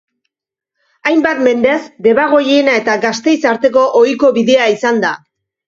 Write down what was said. Hainbat mendez, Debagoiena eta Gasteiz arteko ohiko bidea izan da.